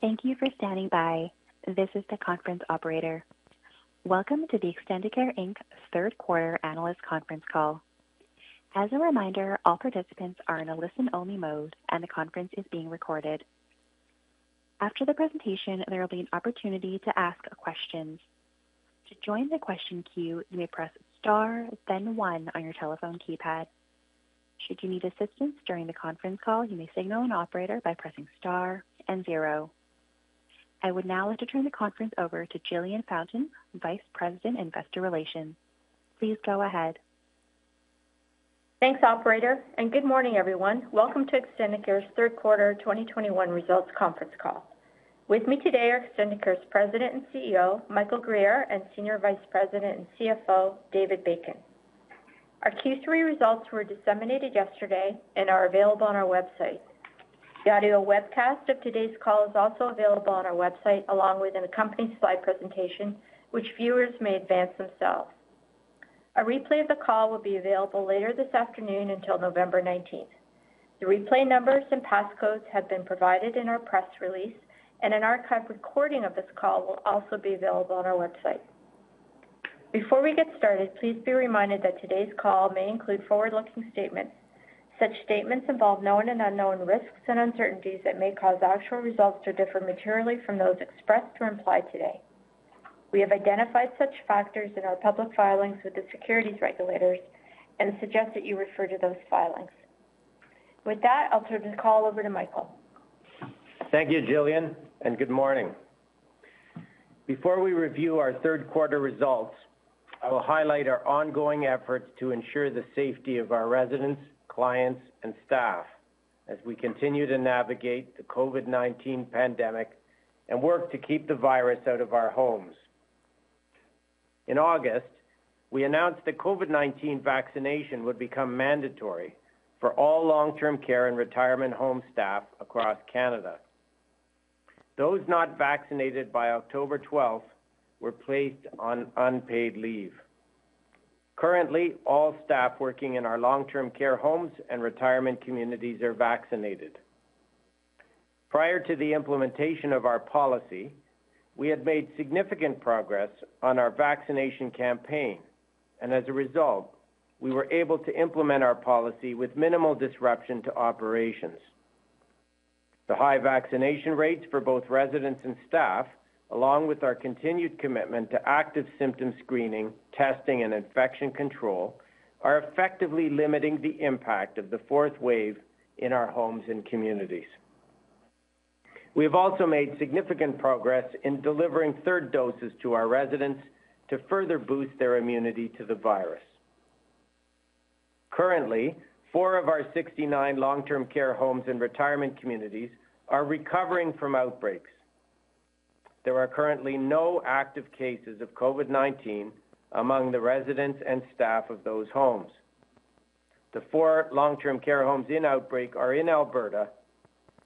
Thank you for standing by. This is the conference operator. Welcome to the Extendicare Inc. third quarter analyst conference call. As a reminder, all participants are in a listen-only mode, and the conference is being recorded. After the presentation, there will be an opportunity to ask questions. To join the question queue, you may press star then one on your telephone keypad. Should you need assistance during the conference call, you may signal an operator by pressing star and zero. I would now like to turn the conference over to Jillian Fountain, Vice President, Investor Relations. Please go ahead. Thanks, operator, and good morning, everyone. Welcome to Extendicare's Q3 2021 results conference call. With me today are Extendicare's President and CEO, Michael Guerriere, and Senior Vice President and CFO, David Bacon. Our Q3 results were disseminated yesterday and are available on our website. The audio webcast of today's call is also available on our website, along with an accompanying slide presentation which viewers may advance themselves. A replay of the call will be available later this afternoon until 19th November. The replay numbers and passcodes have been provided in our press release, and an archived recording of this call will also be available on our website. Before we get started, please be reminded that today's call may include forward-looking statements. Such statements involve known and unknown risks and uncertainties that may cause actual results to differ materially from those expressed or implied today. We have identified such factors in our public filings with the securities regulators and suggest that you refer to those filings. With that, I'll turn the call over to Michael. Thank you, Jillian, and good morning. Before we review our third quarter results, I will highlight our ongoing efforts to ensure the safety of our residents, clients, and staff as we continue to navigate the COVID-19 pandemic and work to keep the virus out of our homes. In August, we announced that COVID-19 vaccination would become mandatory for all long-term care and retirement home staff across Canada. Those not vaccinated by 12th October were placed on unpaid leave. Currently, all staff working in our long-term care homes and retirement communities are vaccinated. Prior to the implementation of our policy, we had made significant progress on our vaccination campaign, and as a result, we were able to implement our policy with minimal disruption to operations. The high vaccination rates for both residents and staff, along with our continued commitment to active symptom screening, testing, and infection control, are effectively limiting the impact of the fourth wave in our homes and communities. We have also made significant progress in delivering third doses to our residents to further boost their immunity to the virus. Currently, four of our 69 long-term care homes and retirement communities are recovering from outbreaks. There are currently no active cases of COVID-19 among the residents and staff of those homes. The four long-term care homes in outbreak are in Alberta,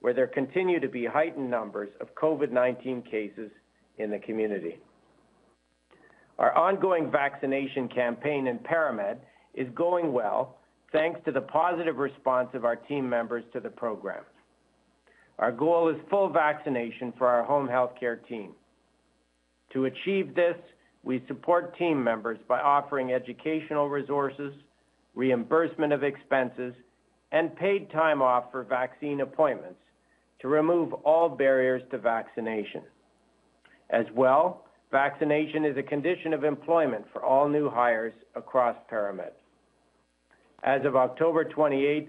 where there continue to be heightened numbers of COVID-19 cases in the community. Our ongoing vaccination campaign in ParaMed is going well thanks to the positive response of our team members to the program. Our goal is full vaccination for our home healthcare team. To achieve this, we support team members by offering educational resources, reimbursement of expenses, and paid time off for vaccine appointments to remove all barriers to vaccination. As well, vaccination is a condition of employment for all new hires across ParaMed. As of 28th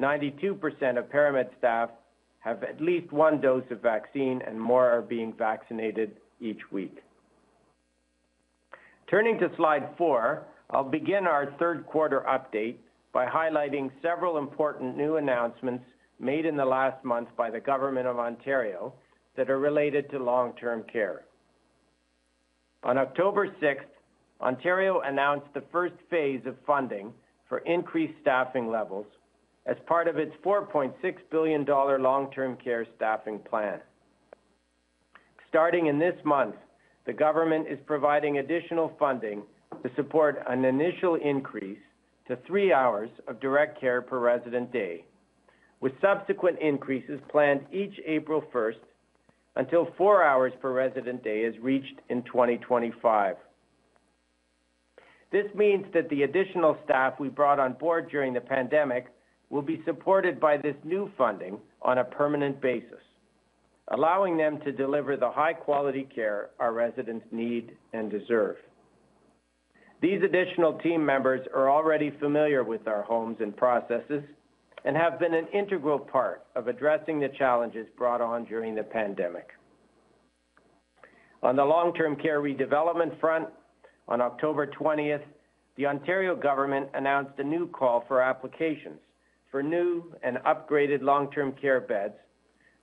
October,92% of ParaMed staff have at least one dose of vaccine, and more are being vaccinated each week. Turning to slide four, I'll begin our third quarter update by highlighting several important new announcements made in the last month by the government of Ontario that are related to long-term care. On 6th October, Ontario announced the first phase of funding for increased staffing levels as part of its 4.6 billion dollar long-term care staffing plan. Starting in this month, the government is providing additional funding to support an initial increase to three hours of direct care per resident day, with subsequent increases planned each April first until four hours per resident day is reached in 2025. This means that the additional staff we brought on board during the pandemic will be supported by this new funding on a permanent basis, allowing them to deliver the high-quality care our residents need and deserve. These additional team members are already familiar with our homes and processes and have been an integral part of addressing the challenges brought on during the pandemic. On the long-term care redevelopment front, on 20th October, the Ontario government announced a new call for applications for new and upgraded long-term care beds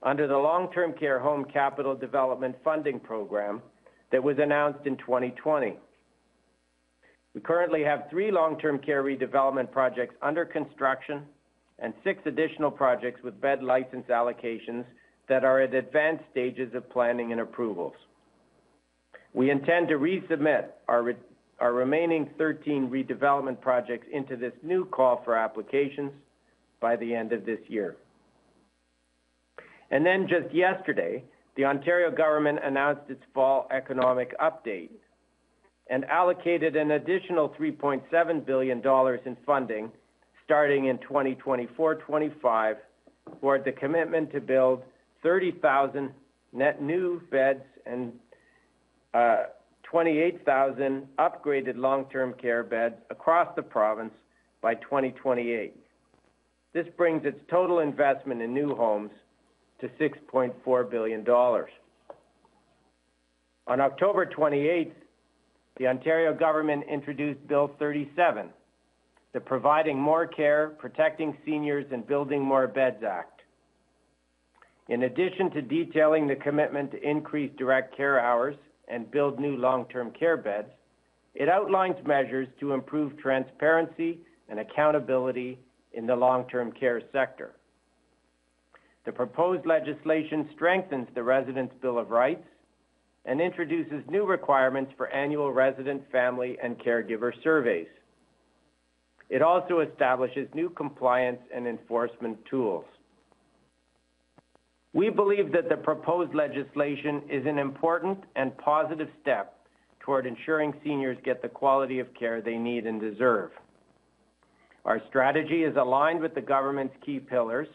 under the Long-Term Care Home Capital Development Funding Policy, 2020 that was announced in 2020. We currently have three long-term care redevelopment projects under construction and six additional projects with bed license allocations that are at advanced stages of planning and approvals. We intend to resubmit our remaining 13 redevelopment projects into this new call for applications by the end of this year. Then just yesterday, the Ontario government announced its fall economic update and allocated an additional 3.7 billion dollars in funding starting in 2024-25, toward the commitment to build 30,000 net new beds and 28,000 upgraded long-term care beds across the province by 2028. This brings its total investment in new homes to 6.4 billion dollars. On 28th October, the Ontario government introduced Bill 37, the Providing More Care, Protecting Seniors and Building More Beds Act. In addition to detailing the commitment to increase direct care hours and build new long-term care beds, it outlines measures to improve transparency and accountability in the long-term care sector. The proposed legislation strengthens the Residents' Bill of Rights and introduces new requirements for annual resident, family, and caregiver surveys. It also establishes new compliance and enforcement tools. We believe that the proposed legislation is an important and positive step toward ensuring seniors get the quality of care they need and deserve. Our strategy is aligned with the government's key pillars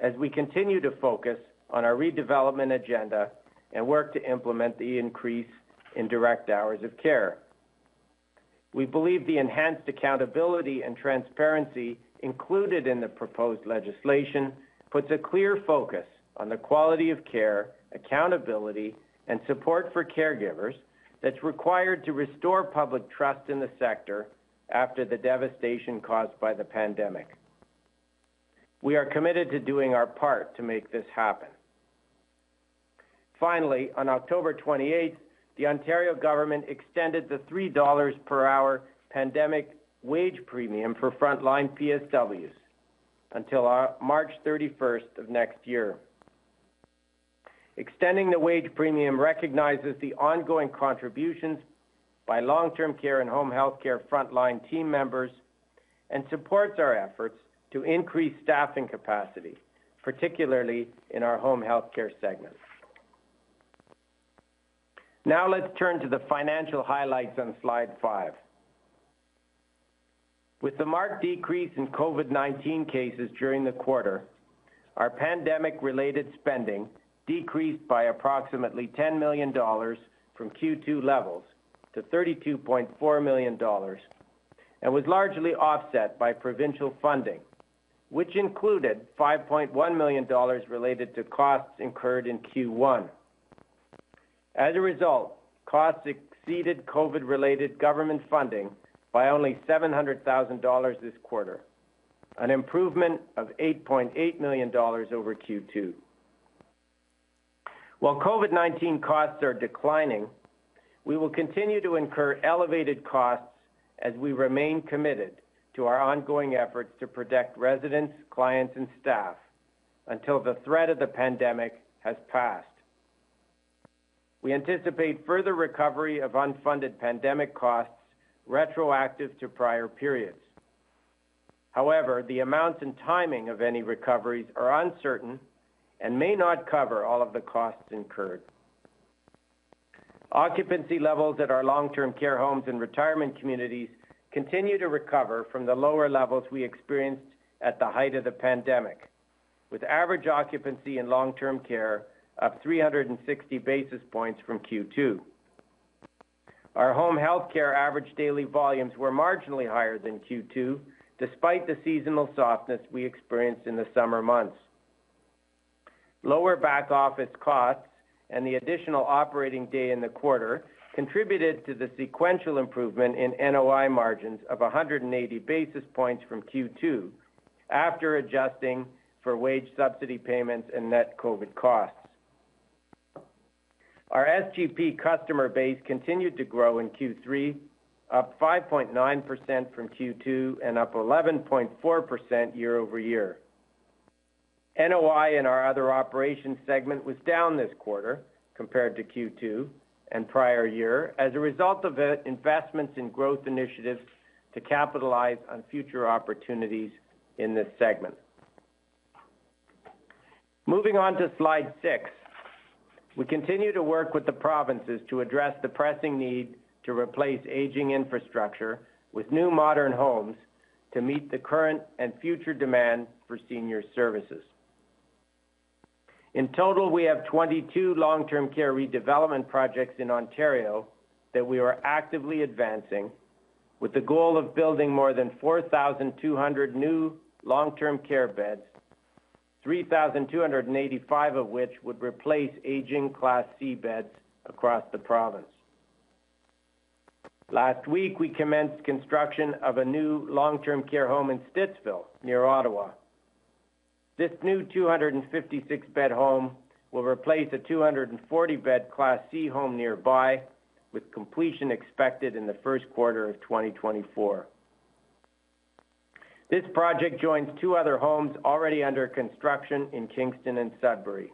as we continue to focus on our redevelopment agenda and work to implement the increase in direct hours of care. We believe the enhanced accountability and transparency included in the proposed legislation puts a clear focus on the quality of care, accountability, and support for caregivers that's required to restore public trust in the sector after the devastation caused by the pandemic. We are committed to doing our part to make this happen. Finally, on 28th October, the Ontario government extended the CAD 3$ per hour pandemic wage premium for frontline PSWs until 31st March of next year. Extending the wage premium recognizes the ongoing contributions by long-term care and home healthcare frontline team members and supports our efforts to increase staffing capacity, particularly in our home healthcare segment. Now let's turn to the financial highlights on slide five. With the marked decrease in COVID-19 cases during the quarter, our pandemic-related spending decreased by approximately 10 million dollars from Q2 levels to 32.4 million dollars and was largely offset by provincial funding, which included 5.1 million dollars related to costs incurred in Q1. As a result, costs exceeded COVID-related government funding by only 700 thousand dollars this quarter, an improvement of 8.8 million dollars over Q2. While COVID-19 costs are declining, we will continue to incur elevated costs as we remain committed to our ongoing efforts to protect residents, clients, and staff until the threat of the pandemic has passed. We anticipate further recovery of unfunded pandemic costs retroactive to prior periods. However, the amounts and timing of any recoveries are uncertain and may not cover all of the costs incurred. Occupancy levels at our long-term care homes and retirement communities continue to recover from the lower levels we experienced at the height of the pandemic, with average occupancy in long-term care up 360 basis points from Q2. Our home healthcare average daily volumes were marginally higher than Q2, despite the seasonal softness we experienced in the summer months. Lower back-office costs and the additional operating day in the quarter contributed to the sequential improvement in NOI margins of 180 basis points from Q2 after adjusting for wage subsidy payments and net COVID costs. Our SGP customer base continued to grow in Q3, up 5.9% from Q2 and up 11.4% year-over-year. NOI in our other operations segment was down this quarter compared to Q2 and prior year as a result of investments in growth initiatives to capitalize on future opportunities in this segment. Moving on to slide 6. We continue to work with the provinces to address the pressing need to replace aging infrastructure with new modern homes to meet the current and future demand for senior services. In total, we have 22 long-term care redevelopment projects in Ontario that we are actively advancing with the goal of building more than 4,200 new long-term care beds, 3,285 of which would replace aging Class C beds across the province. Last week, we commenced construction of a new long-term care home in Stittsville, near Ottawa. This new 256-bed home will replace a 240-bed Class C home nearby, with completion expected in the first quarter of 2024. This project joins two other homes already under construction in Kingston and Sudbury.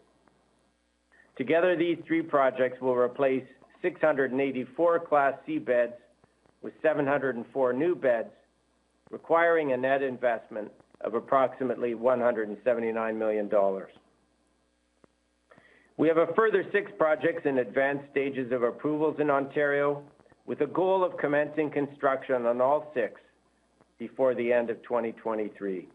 Together, these three projects will replace 684 Class B beds with 704 new beds, requiring a net investment of approximately 179 million dollars. We have a further six projects in advanced stages of approvals in Ontario, with a goal of commencing construction on all six before the end of 2023.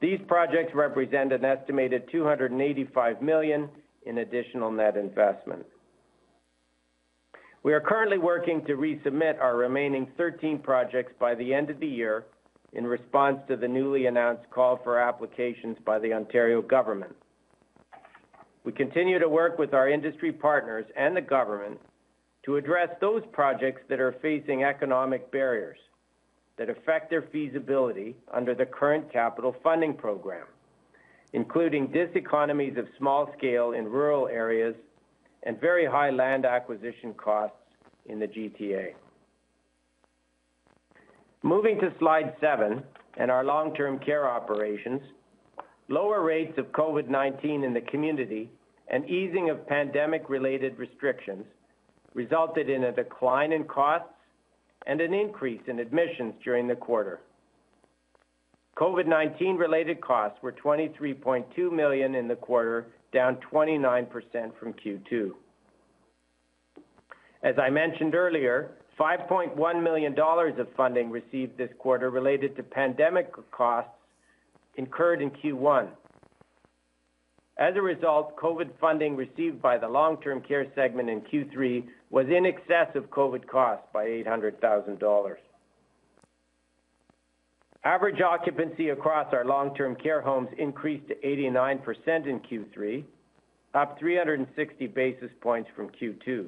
These projects represent an estimated 285 million in additional net investment. We are currently working to resubmit our remaining thirteen projects by the end of the year in response to the newly announced call for applications by the Ontario government. We continue to work with our industry partners and the government to address those projects that are facing economic barriers that affect their feasibility under the current capital funding program, including diseconomies of small scale in rural areas and very high land acquisition costs in the GTA. Moving to slide seven and our long-term care operations. Lower rates of COVID-19 in the community and easing of pandemic-related restrictions resulted in a decline in costs and an increase in admissions during the quarter. COVID-19 related costs were 23.2 million in the quarter, down 29% from Q2. As I mentioned earlier, 5.1 million dollars of funding received this quarter related to pandemic costs incurred in Q1. As a result, COVID funding received by the long-term care segment in Q3 was in excess of COVID costs by 800,000 dollars. Average occupancy across our long-term care homes increased to 89% in Q3, up 360 basis points from Q2.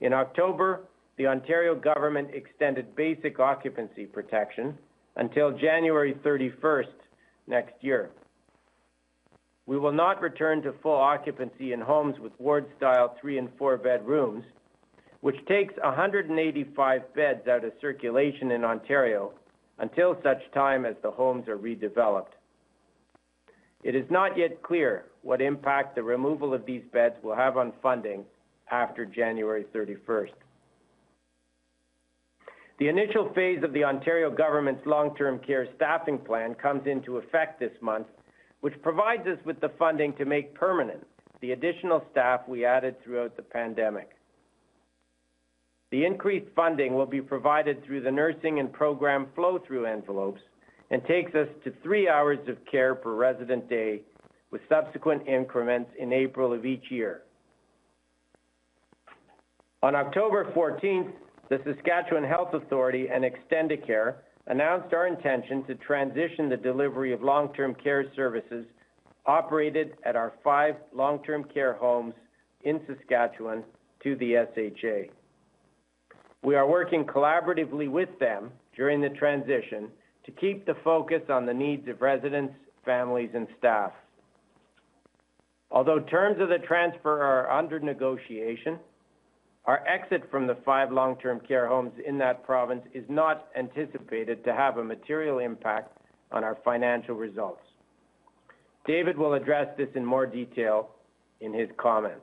In October, the Ontario government extended basic occupancy protection until 31st January next year. We will not return to full occupancy in homes with ward-style three and four bed rooms, which takes 185 beds out of circulation in Ontario until such time as the homes are redeveloped. It is not yet clear what impact the removal of these beds will have on funding after 31st January. The initial phase of the Ontario government's long-term care staffing plan comes into effect this month, which provides us with the funding to make permanent the additional staff we added throughout the pandemic. The increased funding will be provided through the nursing and program flow-through envelopes and takes us to three hours of care per resident day with subsequent increments in April of each year. On October fourteenth, the Saskatchewan Health Authority and Extendicare announced our intention to transition the delivery of long-term care services operated at our five long-term care homes in Saskatchewan to the SHA. We are working collaboratively with them during the transition to keep the focus on the needs of residents, families, and staff. Although terms of the transfer are under negotiation, our exit from the five long-term care homes in that province is not anticipated to have a material impact on our financial results. David will address this in more detail in his comments.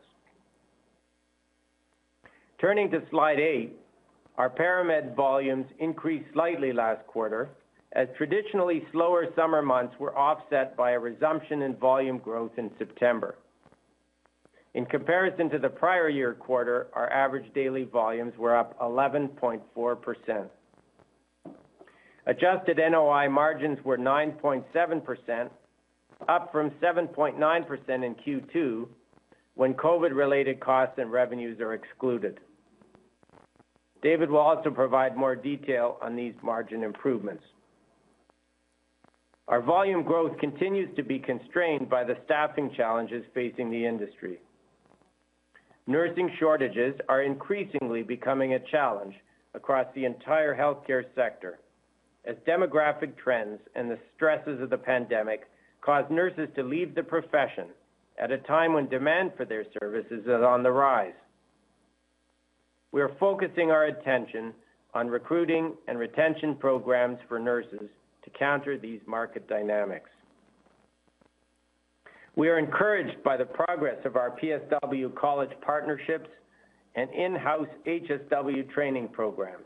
Turning to Slide eight, our ParaMed volumes increased slightly last quarter as traditionally slower summer months were offset by a resumption in volume growth in September. In comparison to the prior year quarter, our average daily volumes were up 11.4%. Adjusted NOI margins were 9.7%, up from 7.9% in Q2 when COVID-related costs and revenues are excluded. David will also provide more detail on these margin improvements. Our volume growth continues to be constrained by the staffing challenges facing the industry. Nursing shortages are increasingly becoming a challenge across the entire healthcare sector as demographic trends and the stresses of the pandemic cause nurses to leave the profession at a time when demand for their services is on the rise. We are focusing our attention on recruiting and retention programs for nurses to counter these market dynamics. We are encouraged by the progress of our PSW college partnerships and in-house HSW training programs.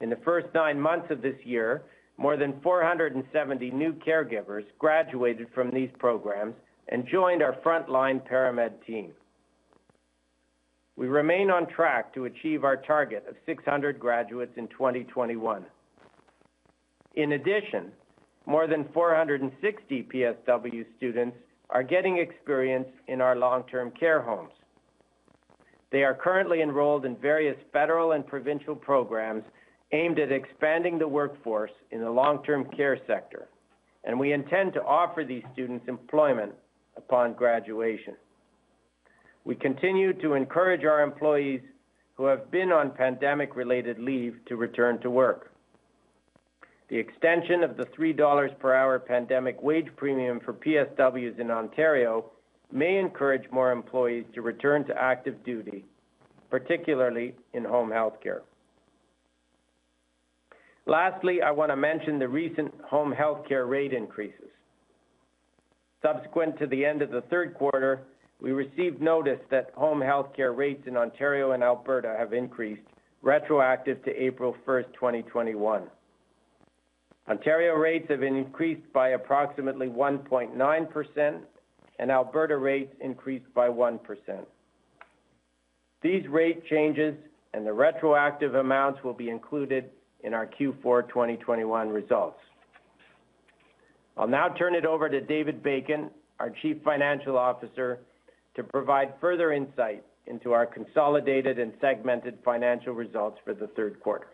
In the first nine months of this year, more than 470 new caregivers graduated from these programs and joined our frontline ParaMed team. We remain on track to achieve our target of 600 graduates in 2021. In addition, more than 460 PSW students are getting experience in our long-term care homes. They are currently enrolled in various federal and provincial programs aimed at expanding the workforce in the long-term care sector, and we intend to offer these students employment upon graduation. We continue to encourage our employees who have been on pandemic-related leave to return to work. The extension of the CAD 3$ per hour pandemic wage premium for PSWs in Ontario may encourage more employees to return to active duty, particularly in home health care. Lastly, I want to mention the recent home health care rate increases. Subsequent to the end of the third quarter, we received notice that home health care rates in Ontario and Alberta have increased retroactive to 1st April 2021. Ontario rates have increased by approximately 1.9%, and Alberta rates increased by 1%. These rate changes and the retroactive amounts will be included in our Q4 2021 results. I'll now turn it over to David Bacon, our Chief Financial Officer, to provide further insight into our consolidated and segmented financial results for the third quarter.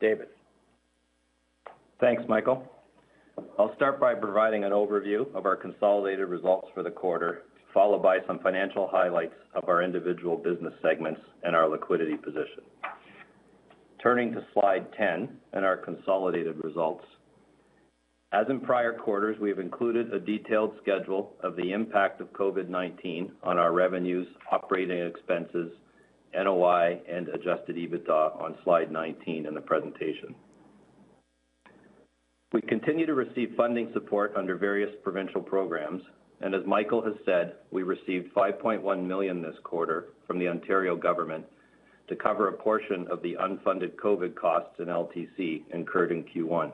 David. Thanks, Michael. I'll start by providing an overview of our consolidated results for the quarter, followed by some financial highlights of our individual business segments and our liquidity position. Turning to slide 10 and our consolidated results. As in prior quarters, we have included a detailed schedule of the impact of COVID-19 on our revenues, operating expenses, NOI, and adjusted EBITDA on slide 19 in the presentation. We continue to receive funding support under various provincial programs, and as Michael has said, we received 5.1 million this quarter from the Ontario government to cover a portion of the unfunded COVID costs in LTC incurred in Q1.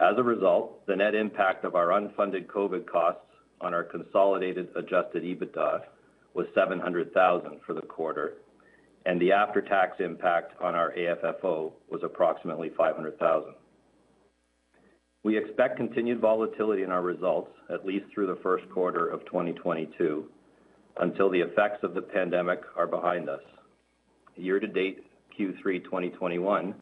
As a result, the net impact of our unfunded COVID costs on our consolidated adjusted EBITDA was 700 thousand for the quarter, and the after-tax impact on our AFFO was approximately 500 thousand. We expect continued volatility in our results at least through the first quarter of 2022 until the effects of the pandemic are behind us. Year to date Q3 2021,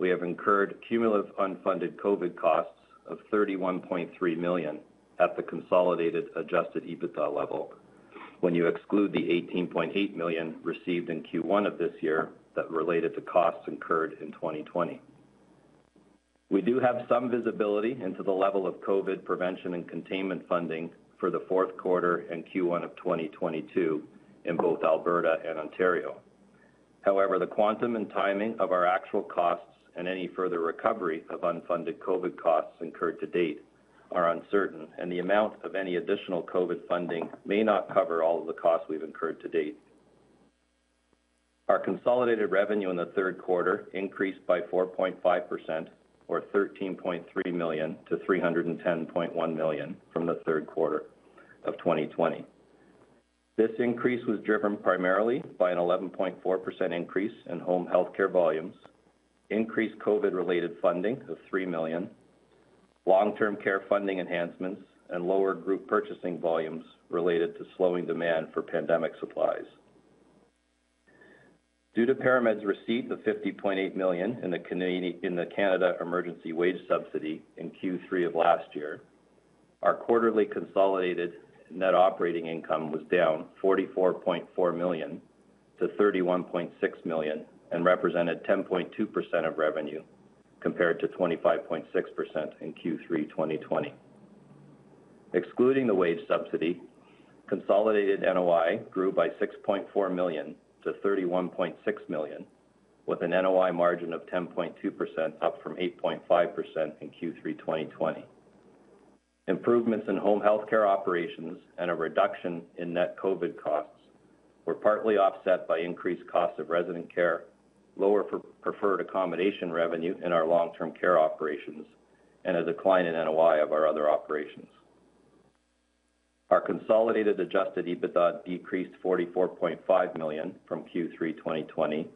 we have incurred cumulative unfunded COVID costs of 31.3 million at the consolidated adjusted EBITDA level when you exclude the 18.8 million received in Q1 of this year that related to costs incurred in 2020. We do have some visibility into the level of COVID prevention and containment funding for the fourth quarter and Q1 2022 in both Alberta and Ontario. However, the quantum and timing of our actual costs and any further recovery of unfunded COVID costs incurred to date are uncertain, and the amount of any additional COVID funding may not cover all of the costs we've incurred to date. Our consolidated revenue in the third quarter increased by 4.5% or 13.3 million to 310.1 million from the third quarter of 2020. This increase was driven primarily by an 11.4% increase in home health care volumes, increased COVID-related funding of 3 million, long-term care funding enhancements, and lower group purchasing volumes related to slowing demand for pandemic supplies. Due to ParaMed's receipt of 50.8 million in the Canada Emergency Wage Subsidy in Q3 of last year, our quarterly consolidated net operating income was down 44.4 million to 31.6 million and represented 10.2% of revenue compared to 25.6% in Q3, 2020. Excluding the wage subsidy, consolidated NOI grew by 6.4 million to 31.6 million, with an NOI margin of 10.2% up from 8.5% in Q3 2020. Improvements in home health care operations and a reduction in net COVID-19 costs were partly offset by increased costs of resident care, lower preferred accommodation revenue in our long-term care operations, and a decline in NOI of our other operations. Our consolidated adjusted EBITDA decreased 44.5 million from Q3 2020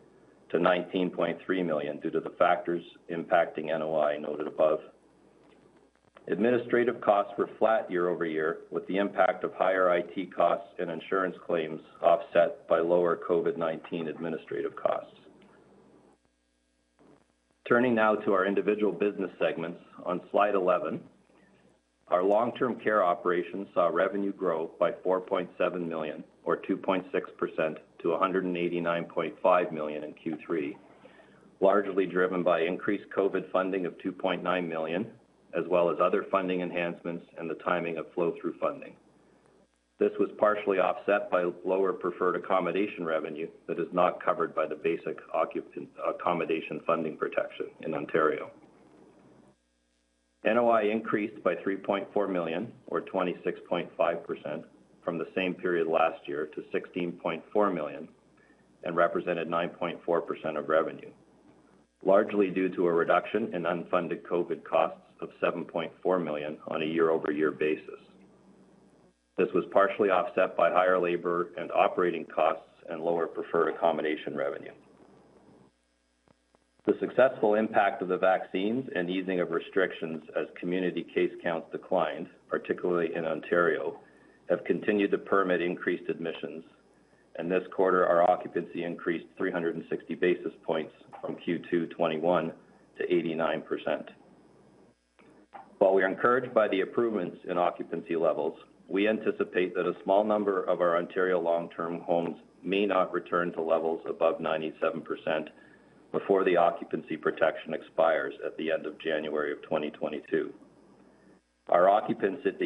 to 19.3 million due to the factors impacting NOI noted above. Administrative costs were flat year-over-year, with the impact of higher IT costs and insurance claims offset by lower COVID-19 administrative costs. Turning now to our individual business segments on slide 11. Our long-term care operations saw revenue grow by 4.7 million or 2.6%-CAD 189.5 million in Q3, largely driven by increased COVID funding of 2.9 million, as well as other funding enhancements and the timing of flow-through funding. This was partially offset by lower preferred accommodation revenue that is not covered by the basic occupant accommodation funding protection in Ontario. NOI increased by 3.4 million or 26.5% from the same period last year to 16.4 million and represented 9.4% of revenue, largely due to a reduction in unfunded COVID costs of 7.4 million on a year-over-year basis. This was partially offset by higher labor and operating costs and lower preferred accommodation revenue. The successful impact of the vaccines and easing of restrictions as community case counts declined, particularly in Ontario, have continued to permit increased admissions. In this quarter, our occupancy increased 360 basis points from Q2 2021 to 89%. While we are encouraged by the improvements in occupancy levels, we anticipate that a small number of our Ontario long-term homes may not return to levels above 97% before the occupancy protection expires at the end of January 2022. Our occupancy at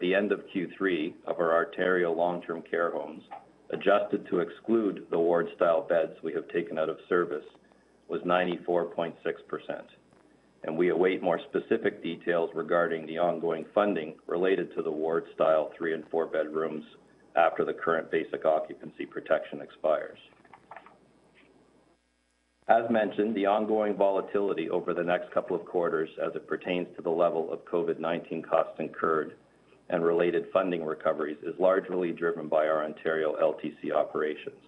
the end of Q3 of our Ontario long-term care homes, adjusted to exclude the ward-style beds we have taken out of service, was 94.6%, and we await more specific details regarding the ongoing funding related to the ward-style three and four bedrooms after the current basic occupancy protection expires. As mentioned, the ongoing volatility over the next couple of quarters as it pertains to the level of COVID-19 costs incurred and related funding recoveries is largely driven by our Ontario LTC operations.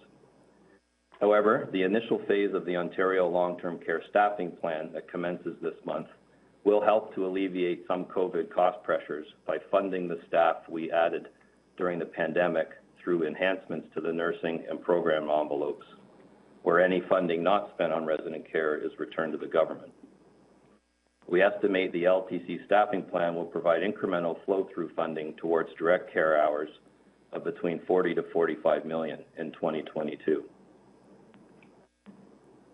However, the initial phase of the Ontario long-term care staffing plan that commences this month will help to alleviate some COVID cost pressures by funding the staff we added during the pandemic through enhancements to the nursing and program envelopes, where any funding not spent on resident care is returned to the government. We estimate the LTC staffing plan will provide incremental flow-through funding towards direct care hours of between 40 million-45 million in 2022.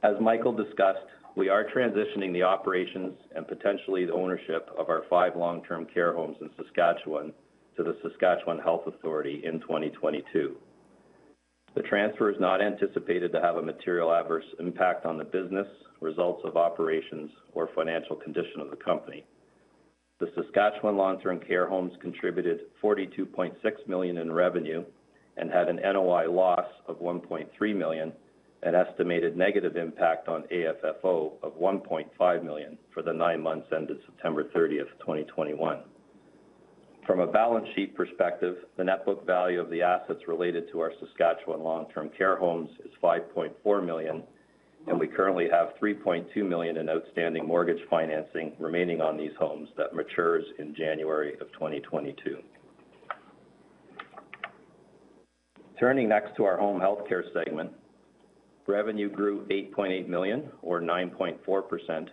As Michael discussed, we are transitioning the operations and potentially the ownership of our five long-term care homes in Saskatchewan to the Saskatchewan Health Authority in 2022. The transfer is not anticipated to have a material adverse impact on the business, results of operations, or financial condition of the company. The Saskatchewan long-term care homes contributed 42.6 million in revenue and had an NOI loss of 1.3 million, an estimated negative impact on AFFO of 1.5 million for the nine months ended 30th September 2021. From a balance sheet perspective, the net book value of the assets related to our Saskatchewan long-term care homes is 5.4 million, and we currently have 3.2 million in outstanding mortgage financing remaining on these homes that matures in January 2022. Turning next to our home healthcare segment, revenue grew 8.8 million, or 9.4%,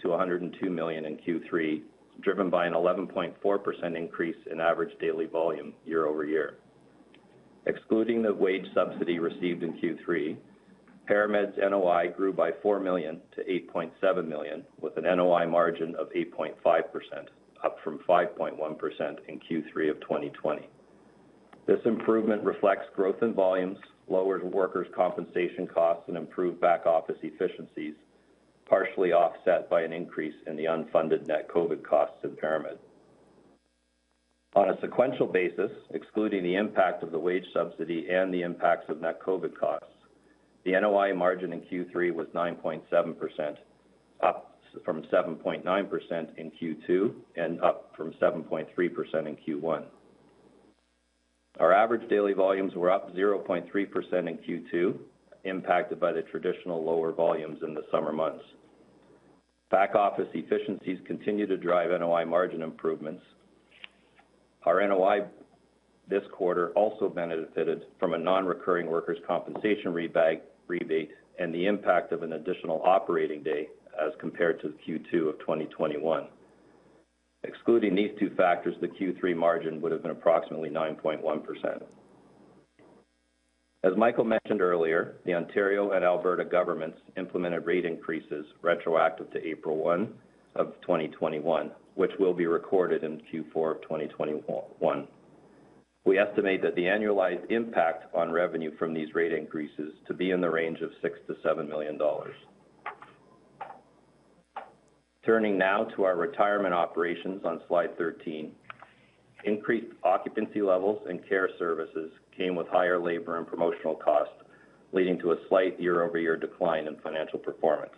to 102 million in Q3, driven by an 11.4% increase in average daily volume year-over-year. Excluding the wage subsidy received in Q3, ParaMed's NOI grew by 4 million-8.7 million, with an NOI margin of 8.5%, up from 5.1% in Q3 of 2020. This improvement reflects growth in volumes, lower workers' compensation costs, and improved back-office efficiencies, partially offset by an increase in the unfunded net COVID costs of ParaMed. On a sequential basis, excluding the impact of the wage subsidy and the impacts of net COVID costs, the NOI margin in Q3 was 9.7%, up from 7.9% in Q2 and up from 7.3% in Q1. Our average daily volumes were up 0.3% in Q2, impacted by the traditional lower volumes in the summer months. Back-office efficiencies continue to drive NOI margin improvements. Our NOI this quarter also benefited from a non-recurring workers' compensation rebate and the impact of an additional operating day as compared to Q2 of 2021. Excluding these two factors, the Q3 margin would have been approximately 9.1%. As Michael mentioned earlier, the Ontario and Alberta governments implemented rate increases retroactive to 1st April 2021, which will be recorded in Q4 of 2021. We estimate that the annualized impact on revenue from these rate increases to be in the range of 6 million-7 million dollars. Turning now to our retirement operations on slide 13. Increased occupancy levels and care services came with higher labor and promotional costs, leading to a slight year-over-year decline in financial performance.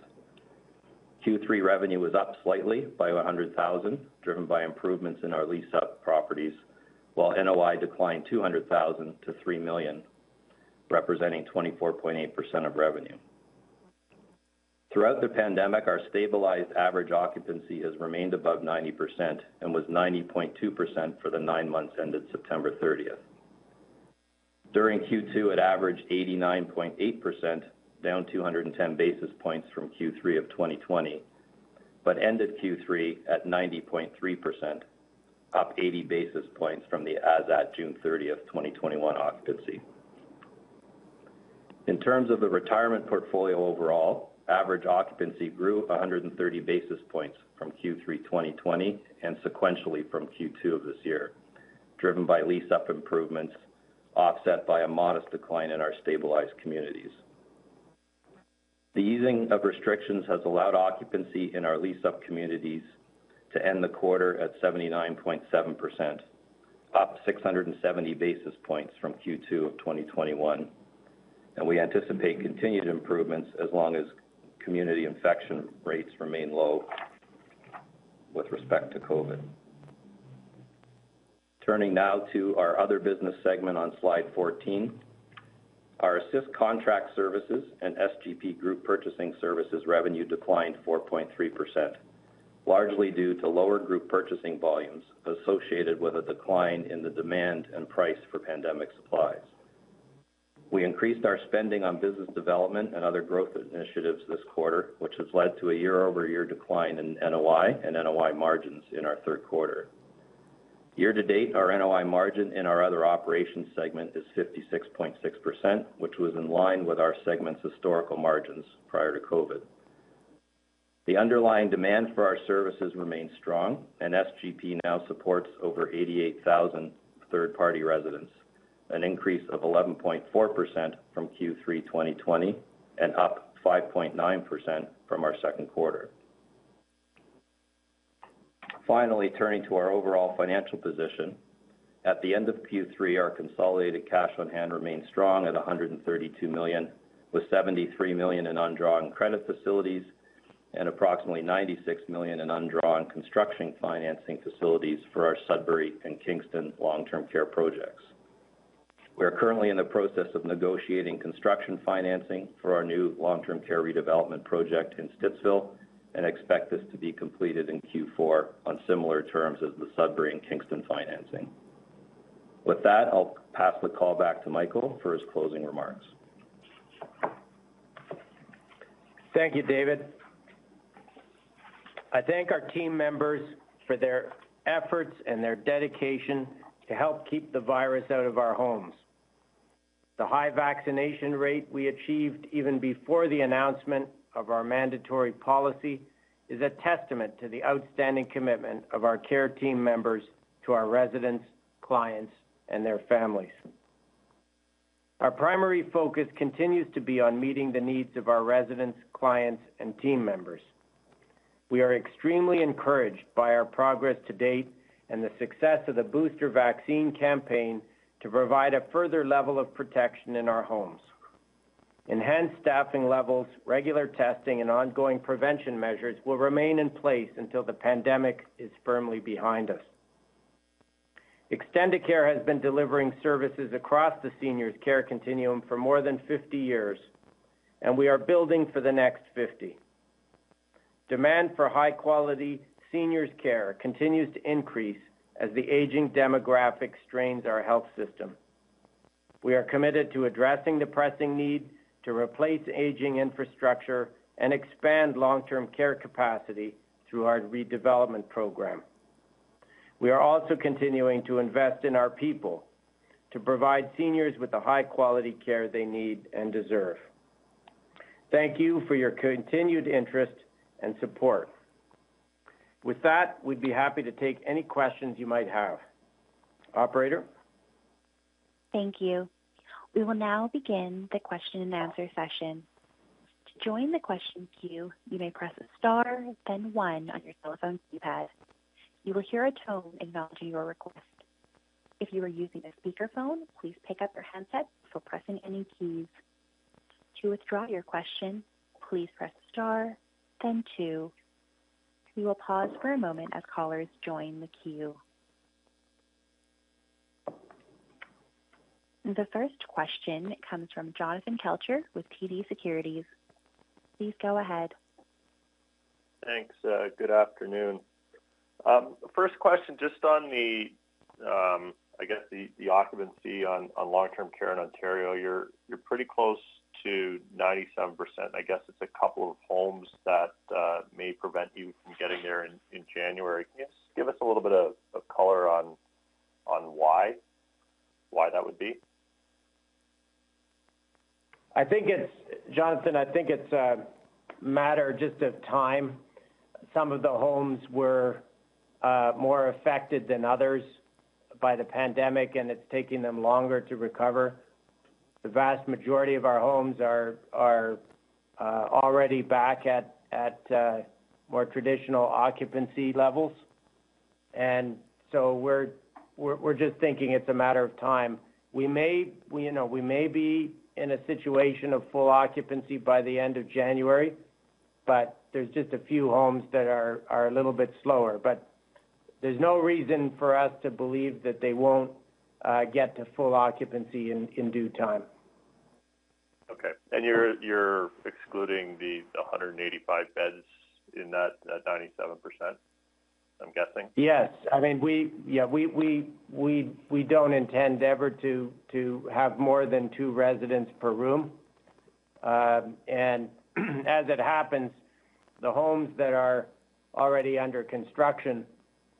Q3 revenue was up slightly by 100,000, driven by improvements in our leased-up properties, while NOI declined 200,000-3 million, representing 24.8% of revenue. Throughout the pandemic, our stabilized average occupancy has remained above 90%, and was 90.2% for the nine months ended 30th September. During Q2, it averaged 89.8%, down 210 basis points from Q3 of 2020, but ended Q3 at 90.3%, up 80 basis points from the as at 30th June 2021 occupancy. In terms of the retirement portfolio overall, average occupancy grew 130 basis points from Q3 2020 and sequentially from Q2 of this year, driven by lease-up improvements, offset by a modest decline in our stabilized communities. The easing of restrictions has allowed occupancy in our leased-up communities to end the quarter at 79.7%, up 670 basis points from Q2 of 2021, and we anticipate continued improvements as long as community infection rates remain low with respect to COVID. Turning now to our other business segment on slide 14. Our Assist Contract Services and SGP Group Purchasing Services revenue declined 4.3%, largely due to lower group purchasing volumes associated with a decline in the demand and price for pandemic supplies. We increased our spending on business development and other growth initiatives this quarter, which has led to a year-over-year decline in NOI and NOI margins in our third quarter. Year to date, our NOI margin in our other operations segment is 56.6%, which was in line with our segment's historical margins prior to COVID. The underlying demand for our services remains strong, and SGP now supports over 88,000 third-party residents, an increase of 11.4% from Q3 2020 and up 5.9% from our second quarter. Finally, turning to our overall financial position. At the end of Q3, our consolidated cash on hand remained strong at 132 million, with 73 million in undrawn credit facilities and approximately 96 million in undrawn construction financing facilities for our Sudbury and Kingston long-term care projects. We are currently in the process of negotiating construction financing for our new long-term care redevelopment project in Stittsville and expect this to be completed in Q4 on similar terms as the Sudbury and Kingston financing. With that, I'll pass the call back to Michael for his closing remarks. Thank you, David. I thank our team members for their efforts and their dedication to help keep the virus out of our homes. The high vaccination rate we achieved even before the announcement of our mandatory policy is a testament to the outstanding commitment of our care team members to our residents, clients, and their families. Our primary focus continues to be on meeting the needs of our residents, clients, and team members. We are extremely encouraged by our progress to date and the success of the booster vaccine campaign to provide a further level of protection in our homes. Enhanced staffing levels, regular testing, and ongoing prevention measures will remain in place until the pandemic is firmly behind us. Extendicare has been delivering services across the seniors' care continuum for more than 50 years, and we are building for the next 50. Demand for high-quality seniors' care continues to increase as the aging demographic strains our health system. We are committed to addressing the pressing need to replace aging infrastructure and expand long-term care capacity through our redevelopment program. We are also continuing to invest in our people to provide seniors with the high-quality care they need and deserve. Thank you for your continued interest and support. With that, we'd be happy to take any questions you might have. Operator? Thank you. We will now begin the question and answer session. To join the question queue, you may press star then one on your telephone keypad. You will hear a tone acknowledging your request. If you are using a speakerphone, please pick up your handset before pressing any keys. To withdraw your question, please press star then two. We will pause for a moment as callers join the queue. The first question comes from Jonathan Kelcher with TD Securities. Please go ahead. Thanks. Good afternoon. First question, just on the occupancy on long-term care in Ontario, you're pretty close to 97%. I guess it's a couple of homes that may prevent you from getting there in January. Can you give us a little bit of color on why that would be? I think it's, Jonathan, a matter just of time. Some of the homes were more affected than others by the pandemic, and it's taking them longer to recover. The vast majority of our homes are already back at more traditional occupancy levels. We're just thinking it's a matter of time. We may, you know, we may be in a situation of full occupancy by the end of January, but there's just a few homes that are a little bit slower. There's no reason for us to believe that they won't get to full occupancy in due time. Okay. You're excluding the 185 beds in that 97%, I'm guessing? Yes. I mean, we don't intend ever to have more than two residents per room. As it happens, the homes that are already under construction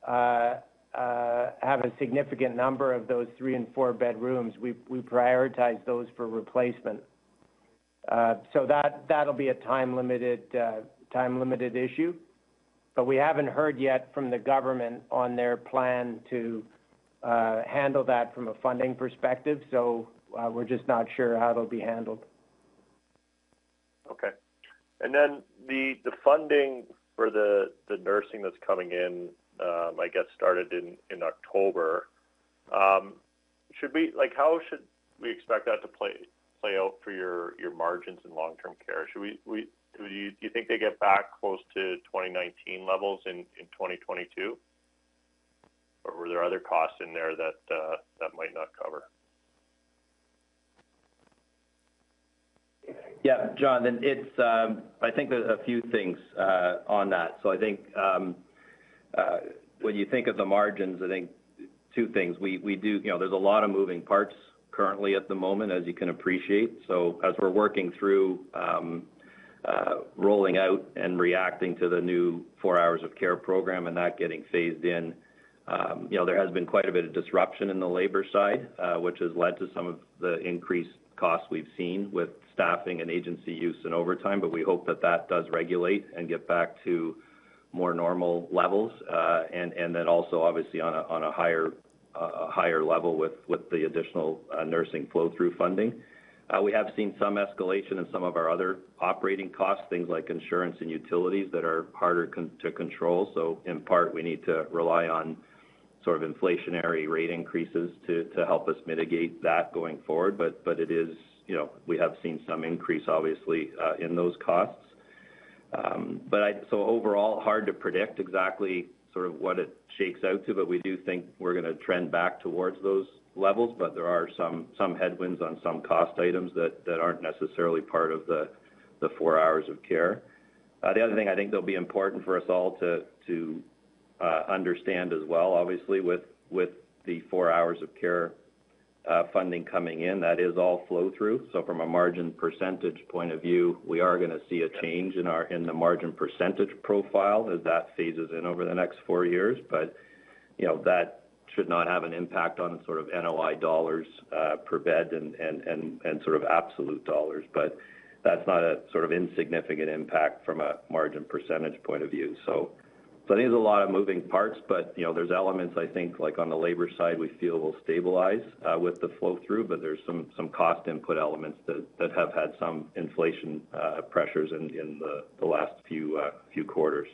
have a significant number of those three and four bedrooms. We prioritize those for replacement. That'll be a time-limited issue. We haven't heard yet from the government on their plan to handle that from a funding perspective, so we're just not sure how it'll be handled. Okay. The funding for the nursing that's coming in, I guess, started in October. Like, how should we expect that to play out for your margins in long-term care? Do you think they get back close to 2019 levels in 2022, or were there other costs in there that might not cover? John, I think there's a few things on that. I think when you think of the margins, I think two things. We do you know, there's a lot of moving parts currently at the moment, as you can appreciate. As we're working through rolling out and reacting to the new four hours of care program and that getting phased in, you know, there has been quite a bit of disruption in the labor side, which has led to some of the increased costs we've seen with staffing and agency use and overtime. But we hope that does regulate and get back to more normal levels. And then also obviously on a higher level with the additional nursing flow-through funding. We have seen some escalation in some of our other operating costs, things like insurance and utilities that are harder to control. In part, we need to rely on sort of inflationary rate increases to help us mitigate that going forward. It is, you know, we have seen some increase obviously in those costs. Overall hard to predict exactly sort of what it shakes out to, but we do think we're gonna trend back towards those levels. There are some headwinds on some cost items that aren't necessarily part of the four hours of care. The other thing I think that'll be important for us all to understand as well, obviously with the four hours of care funding coming in, that is all flow through. From a margin percentage point of view, we are gonna see a change in our margin percentage profile as that phases in over the next four years. You know, that should not have an impact on sort of NOI dollars per bed and sort of absolute dollars. That's not a sort of insignificant impact from a margin percentage point of view. I think there's a lot of moving parts, but you know, there's elements I think like on the labor side, we feel will stabilize with the flow through. There's some cost input elements that have had some inflation pressures in the last few quarters.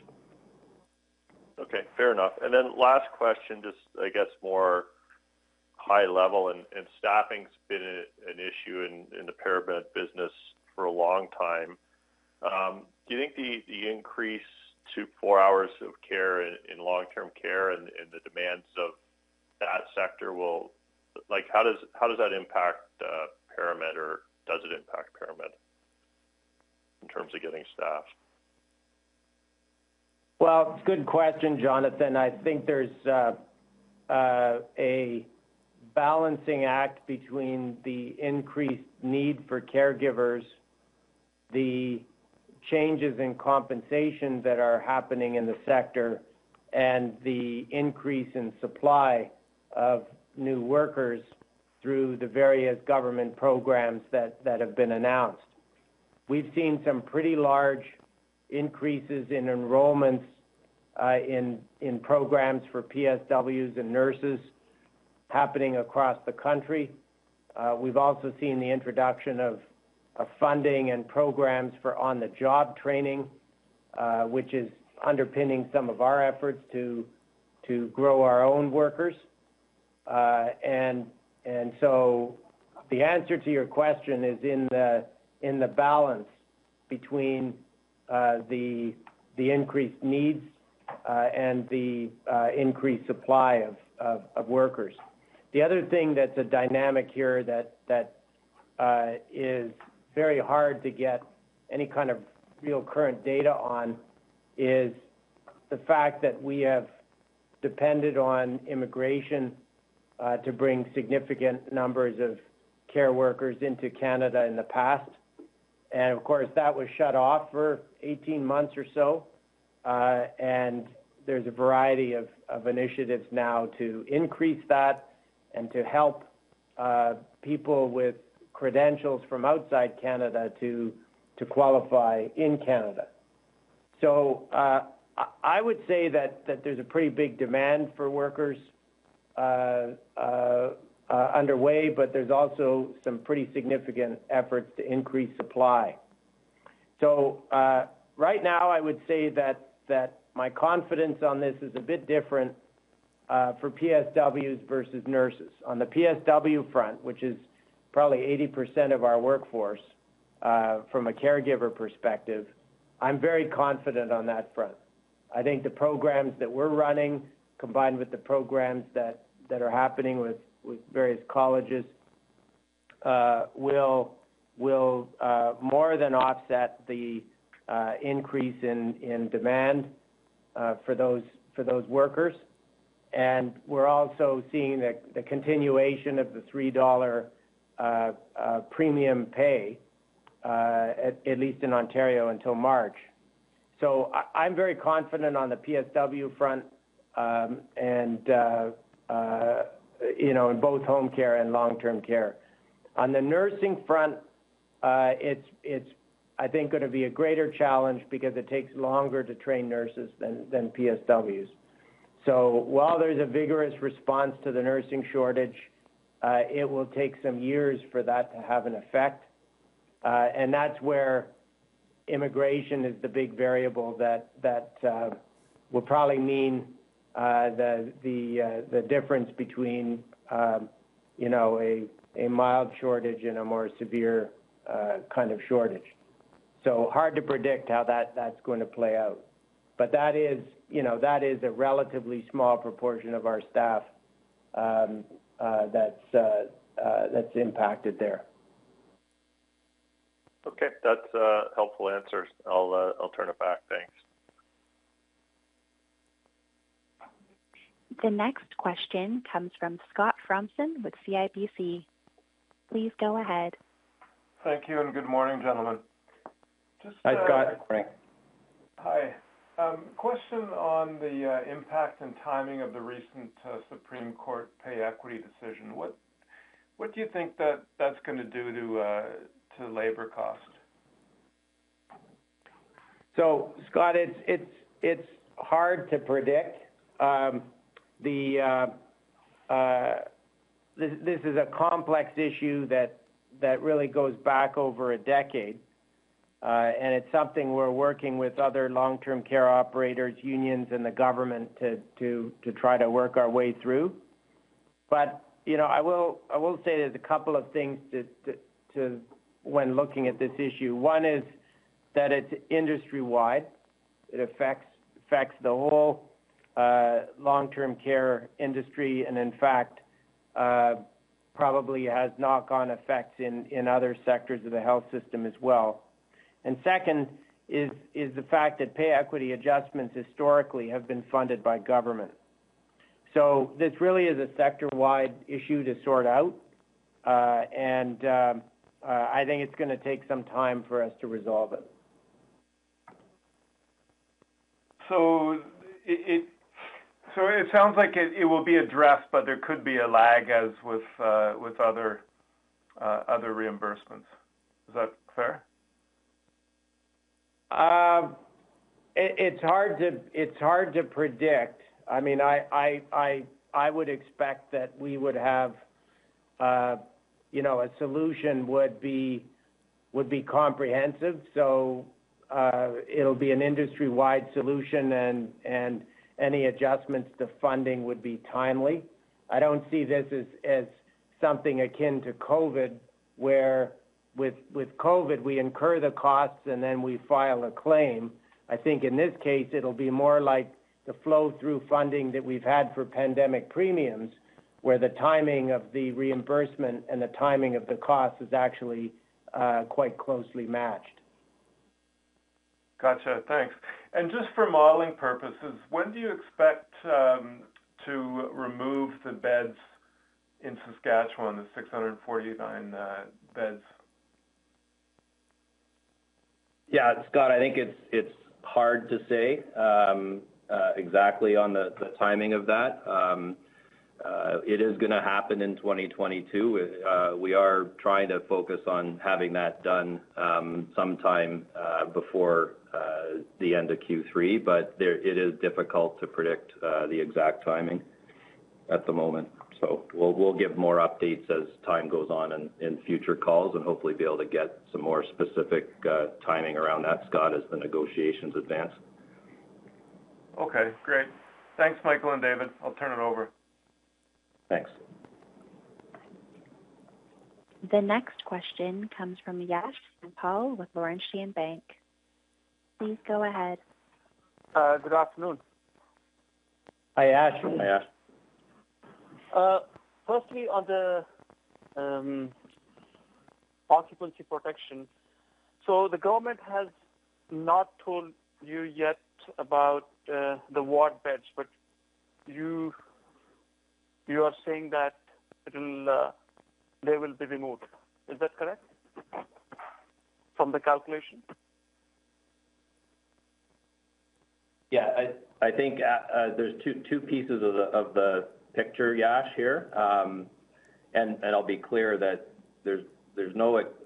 Okay, fair enough. Last question, just I guess more high level and staffing's been an issue in the ParaMed business for a long time. Do you think the increase to four hours of care in long-term care and the demands of that sector will, like, how does that impact ParaMed, or does it impact ParaMed in terms of getting staff? Well, good question, Jonathan. I think there's a balancing act between the increased need for caregivers, the changes in compensation that are happening in the sector, and the increase in supply of new workers through the various government programs that have been announced. We've seen some pretty large increases in enrollments in programs for PSWs and nurses happening across the country. We've also seen the introduction of funding and programs for on-the-job training, which is underpinning some of our efforts to grow our own workers. The answer to your question is in the balance between the increased needs and the increased supply of workers. The other thing that's a dynamic here that is very hard to get any kind of real current data on is the fact that we have depended on immigration to bring significant numbers of care workers into Canada in the past. Of course, that was shut off for 18 months or so. There's a variety of initiatives now to increase that and to help people with credentials from outside Canada to qualify in Canada. I would say that there's a pretty big demand for workers underway, but there's also some pretty significant efforts to increase supply. Right now, I would say that my confidence on this is a bit different for PSWs versus nurses. On the PSW front, which is probably 80% of our workforce, from a caregiver perspective, I'm very confident on that front. I think the programs that we're running, combined with the programs that are happening with various colleges, will more than offset the increase in demand for those workers. We're also seeing the continuation of the 3 dollar premium pay, at least in Ontario until March. I'm very confident on the PSW front, you know, in both home care and long-term care. On the nursing front, it's I think gonna be a greater challenge because it takes longer to train nurses than PSWs. While there's a vigorous response to the nursing shortage, it will take some years for that to have an effect. That's where immigration is the big variable that will probably mean the difference between, you know, a mild shortage and a more severe kind of shortage. Hard to predict how that's going to play out. That is, you know, that is a relatively small proportion of our staff that's impacted there. Okay. That's a helpful answer. I'll turn it back. Thanks. The next question comes from Scott Fromson with CIBC. Please go ahead. Thank you, and good morning, gentlemen. Hi, Scott. Hi. Question on the impact and timing of the recent Supreme Court pay equity decision. What do you think that's gonna do to labor costs? Scott, it's hard to predict. This is a complex issue that really goes back over a decade. It's something we're working with other long-term care operators, unions, and the government to try to work our way through. You know, I will say there's a couple of things when looking at this issue. One is that it's industry-wide. It affects the whole long-term care industry, and in fact, probably has knock on effects in other sectors of the health system as well. Second is the fact that pay equity adjustments historically have been funded by government. This really is a sector-wide issue to sort out, and I think it's gonna take some time for us to resolve it. It sounds like it will be addressed, but there could be a lag as with other reimbursements. Is that fair? It's hard to predict. I mean, I would expect that we would have, you know, a solution would be comprehensive. It'll be an industry-wide solution and any adjustments to funding would be timely. I don't see this as something akin to COVID, where with COVID, we incur the costs and then we file a claim. I think in this case, it'll be more like the flow-through funding that we've had for pandemic premiums, where the timing of the reimbursement and the timing of the cost is actually quite closely matched. Gotcha. Thanks. Just for modeling purposes, when do you expect to remove the beds in Saskatchewan, the 649 beds? Yeah, Scott, I think it's hard to say exactly on the timing of that. It is gonna happen in 2022. We are trying to focus on having that done sometime before the end of Q3, but it is difficult to predict the exact timing at the moment. We'll give more updates as time goes on in future calls and hopefully be able to get some more specific timing around that, Scott, as the negotiations advance. Okay, great. Thanks, Michael and David. I'll turn it over. Thanks. The next question comes from Yash Pal with Laurentian Bank. Please go ahead. Good afternoon. Hi, Yash. Hi, Firstly, on the occupancy protection. The government has not told you yet about the ward beds, but you are saying that they will be removed. Is that correct from the calculation? Yeah. I think there's two pieces of the picture, Yash, here. I'll be clear that there's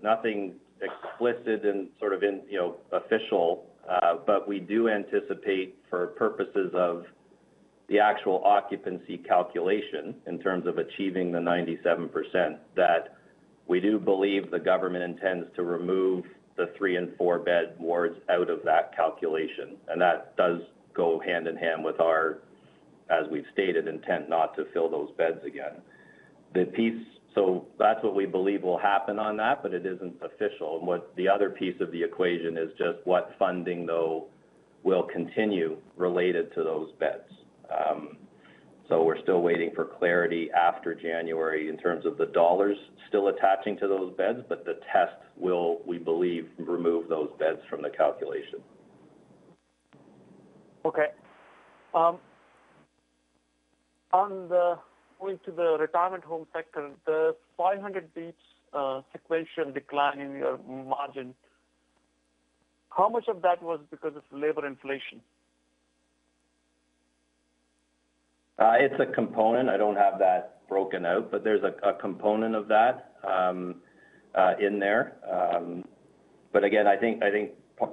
nothing explicit and sort of in, you know, official. But we do anticipate for purposes of the actual occupancy calculation in terms of achieving the 97%, that we do believe the government intends to remove the three- and four-bed wards out of that calculation. That does go hand in hand with our, as we've stated, intent not to fill those beds again. That's what we believe will happen on that, but it isn't official. What the other piece of the equation is just what funding, though, will continue related to those beds. We're still waiting for clarity after January in terms of the dollars still attaching to those beds, but the test will, we believe, remove those beds from the calculation. Going to the retirement home sector, the 500 basis points sequential decline in your margin, how much of that was because of labor inflation? It's a component. I don't have that broken out, but there's a component of that in there. Again, I think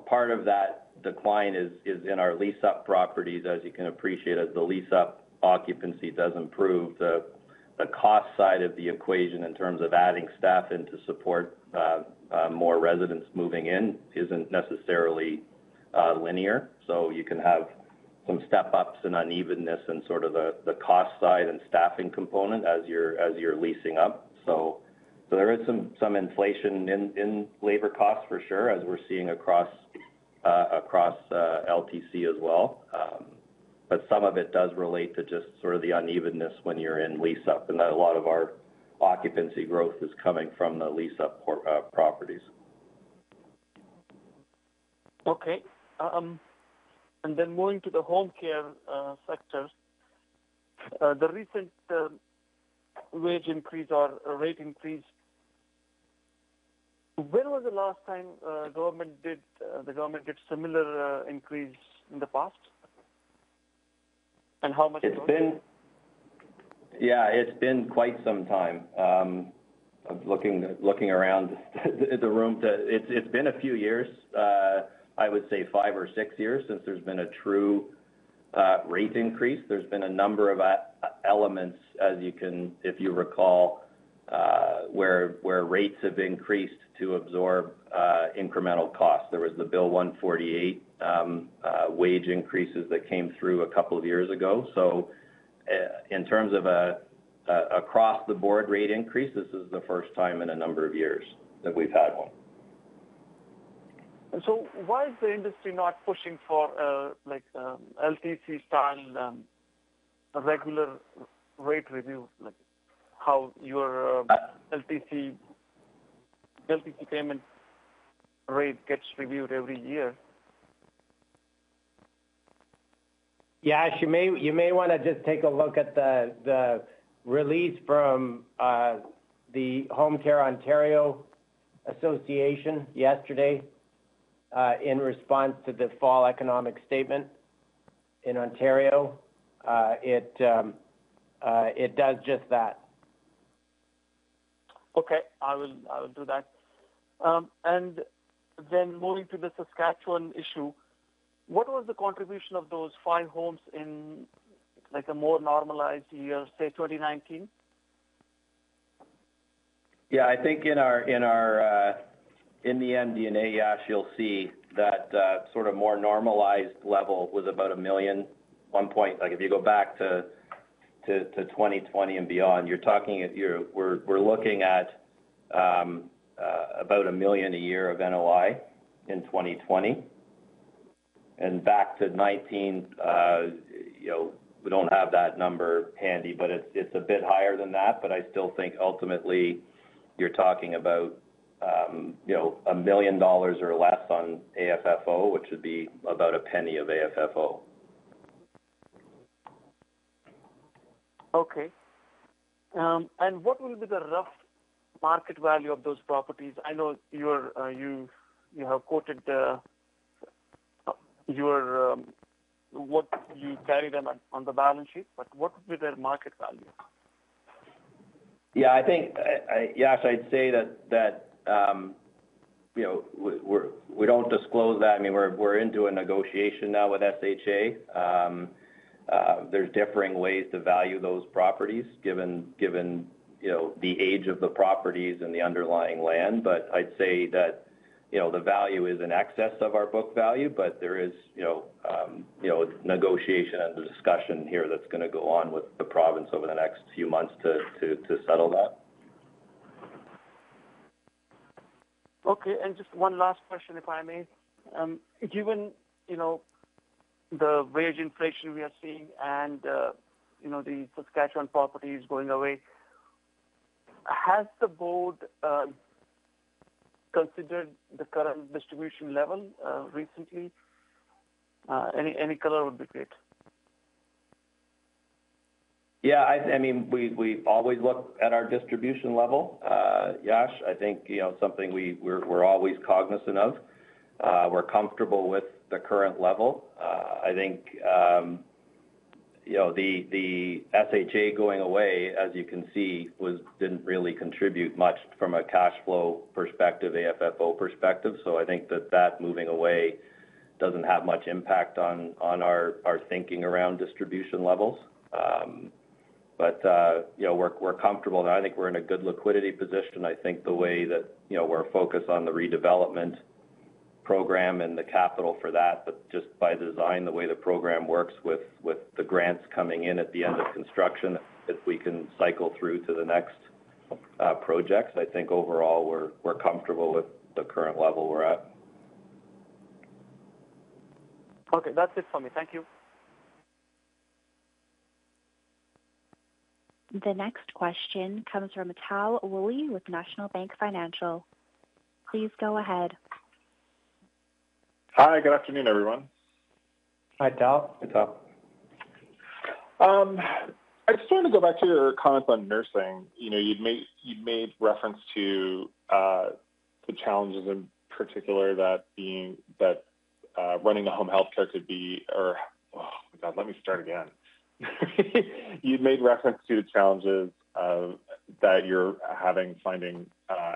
part of that decline is in our lease-up properties, as you can appreciate, as the lease-up occupancy does improve the cost side of the equation in terms of adding staff in to support more residents moving in isn't necessarily linear. You can have Some step ups and unevenness in sort of the cost side and staffing component as you're leasing up. There is some inflation in labor costs for sure, as we're seeing across LTC as well. Some of it does relate to just sort of the unevenness when you're in lease up and that a lot of our occupancy growth is coming from the lease up properties. Okay. Then moving to the home care sector. The recent wage increase or rate increase. When was the last time the government did similar increase in the past? How much was it? It's been quite some time. I'm looking around the room. It's been a few years, I would say five or six years since there's been a true rate increase. There's been a number of elements, as you can, if you recall, where rates have increased to absorb incremental costs. There was the Bill 148 wage increases that came through a couple of years ago. In terms of a across the board rate increase, this is the first time in a number of years that we've had one. Why is the industry not pushing for, like, LTC style, regular rate review? Like how your LTC payment rate gets reviewed every year. Yash, you may wanna just take a look at the release from the Home Care Ontario Association yesterday in response to the fall economic statement in Ontario. It does just that. Okay. I will do that. Moving to the Saskatchewan issue, what was the contribution of those five homes in like a more normalized year, say, 2019? Yeah, I think in our MD&A, Yash, you'll see that sort of more normalized level was about 1 million. Like, if you go back to 2020 and beyond, you're talking we're looking at about 1 million a year of NOI in 2020. Back to 2019, you know, we don't have that number handy, but it's a bit higher than that. I still think ultimately you're talking about, you know, 1 million dollars or less on AFFO, which would be about CAD 0.01 of AFFO. Okay. What will be the rough market value of those properties? I know you have quoted what you carry them on the balance sheet, but what would be their market value? I think, Yash, I'd say that you know, we don't disclose that. I mean, we're into a negotiation now with SHA. There's differing ways to value those properties given you know, the age of the properties and the underlying land. I'd say that you know, the value is in excess of our book value, but there is you know, negotiation and the discussion here that's gonna go on with the province over the next few months to settle that. Okay. Just one last question, if I may. Given, you know, the wage inflation we are seeing and, you know, the Saskatchewan properties going away, has the board considered the current distribution level recently? Any color would be great. Yeah, I mean, we always look at our distribution level, Yash. I think, you know, something we're always cognizant of. We're comfortable with the current level. I think, you know, the SHA going away, as you can see, didn't really contribute much from a cash flow perspective, AFFO perspective. I think that moving away doesn't have much impact on our thinking around distribution levels. You know, we're comfortable. I think we're in a good liquidity position. I think the way that, you know, we're focused on the redevelopment program and the capital for that. Just by design, the way the program works with the grants coming in at the end of construction, if we can cycle through to the next projects, I think overall we're comfortable with the current level we're at. Okay. That's it for me. Thank you. The next question comes from Tal Woolley with National Bank Financial. Please go ahead. Hi. Good afternoon, everyone. Hi, Tal. Hey, Tal. I just wanted to go back to your comments on nursing. You know, you'd made reference to the challenges that you're having finding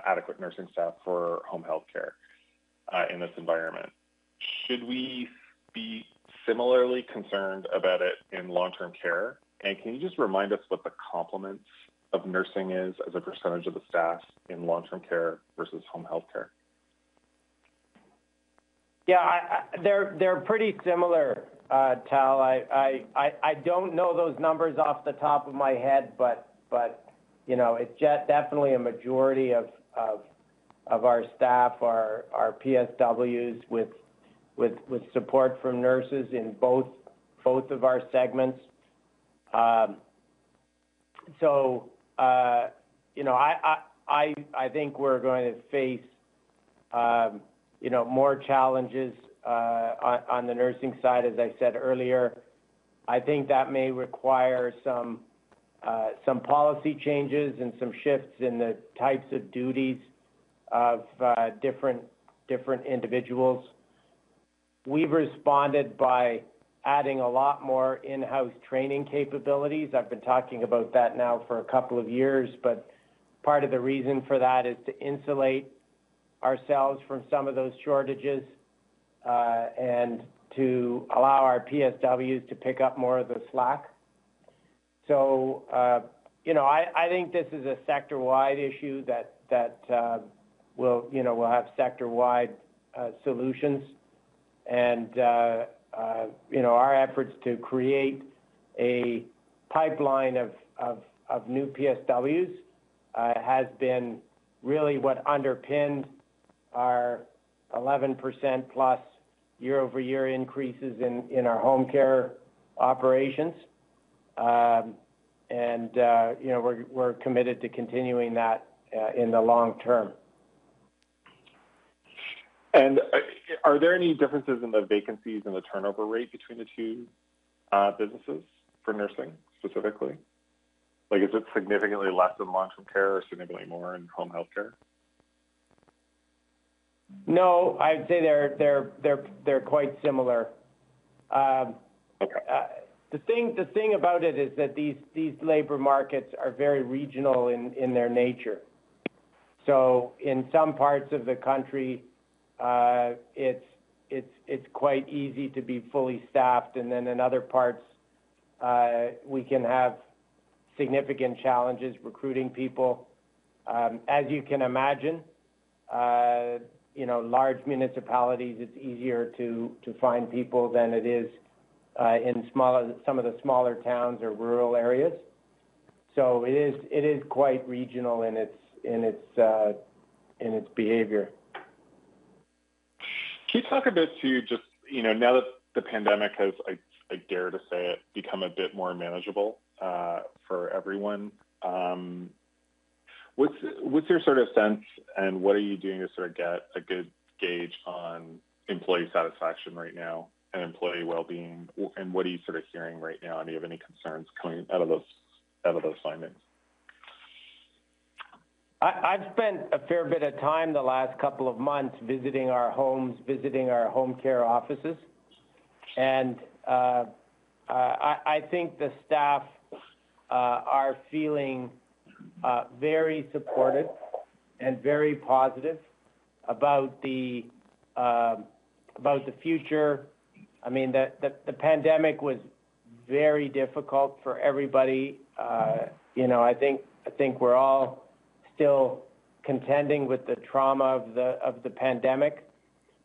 adequate nursing staff for home healthcare in this environment. Should we be similarly concerned about it in long-term care? Can you just remind us what the complement of nursing is as a percentage of the staff in long-term care versus home healthcare? Yeah, they're pretty similar, Tal. I don't know those numbers off the top of my head. You know, it's just definitely a majority of our staff are PSWs with support from nurses in both of our segments. You know, I think we're going to face more challenges on the nursing side, as I said earlier. I think that may require some policy changes and some shifts in the types of duties of different individuals. We've responded by adding a lot more in-house training capabilities. I've been talking about that now for a couple of years, but part of the reason for that is to insulate ourselves from some of those shortages and to allow our PSWs to pick up more of the slack. You know, I think this is a sector-wide issue that will have sector-wide solutions. You know, our efforts to create a pipeline of new PSWs has been really what underpinned our 11%+ year-over-year increases in our home care operations. You know, we're committed to continuing that in the long term. Are there any differences in the vacancies and the turnover rate between the two businesses for nursing specifically? Like, is it significantly less than long-term care or significantly more in home health care? No, I'd say they're quite similar. The thing about it is that these labor markets are very regional in their nature. In some parts of the country, it's quite easy to be fully staffed. In other parts, we can have significant challenges recruiting people. As you can imagine, you know, large municipalities, it's easier to find people than it is in some of the smaller towns or rural areas. It is quite regional in its behavior. Can you talk a bit to just, you know, now that the pandemic has, I dare to say it, become a bit more manageable for everyone. What's your sort of sense and what are you doing to sort of get a good gauge on employee satisfaction right now and employee wellbeing? What are you sort of hearing right now? Do you have any concerns coming out of those findings? I've spent a fair bit of time the last couple of months visiting our homes, visiting our home care offices. I think the staff are feeling very supported and very positive about the future. I mean, the pandemic was very difficult for everybody. You know, I think we're all still contending with the trauma of the pandemic.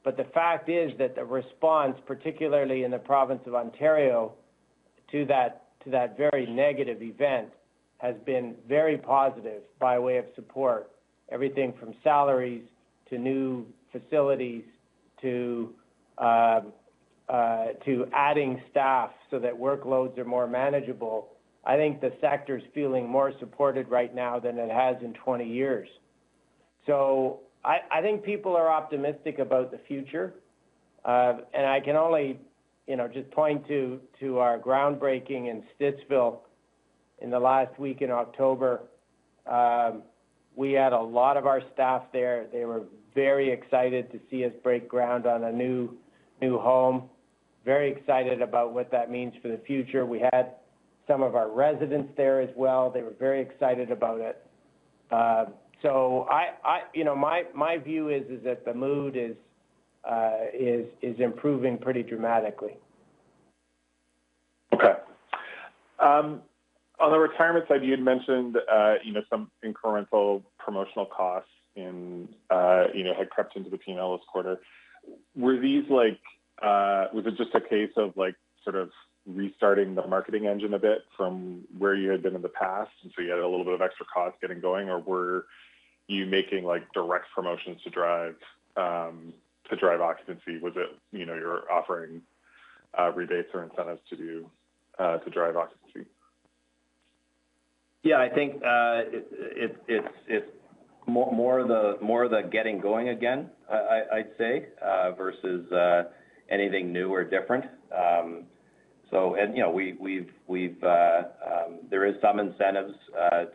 The fact is that the response, particularly in the province of Ontario to that very negative event, has been very positive by way of support. Everything from salaries to new facilities to adding staff so that workloads are more manageable. I think the sector's feeling more supported right now than it has in 20 years. I think people are optimistic about the future. I can only, you know, just point to our groundbreaking in Stittsville in the last week in October. We had a lot of our staff there. They were very excited to see us break ground on a new home. Very excited about what that means for the future. We had some of our residents there as well. They were very excited about it. I, you know, my view is that the mood is improving pretty dramatically. Okay. On the retirement side, you had mentioned, you know, some incremental promotional costs in, you know, had crept into the P&L this quarter. Were these like, was it just a case of like, sort of restarting the marketing engine a bit from where you had been in the past, and so you had a little bit of extra costs getting going? Or were you making like direct promotions to drive occupancy? Was it, you know, you're offering, rebates or incentives to do, to drive occupancy? Yeah. I think it's more the getting going again, I'd say, versus anything new or different. So, you know, there is some incentives